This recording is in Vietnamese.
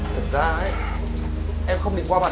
thật ra ấy em không định qua bạn ông